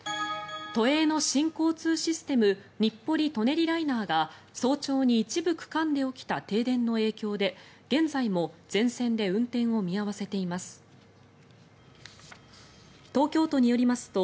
都営の新交通システム日暮里・舎人ライナーが早朝に一部区間で起きた停電の影響で現在も全線で運転を見合わせています。